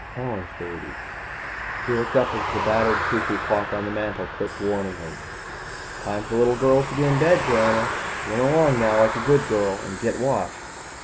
Helen's baby._ He looked up as the battered cuckoo clock on the mantel clicked warningly. "Time for little girls to be in bed, Joanna. Run along now like a good girl, and get washed."